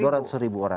dua ratus ribu orang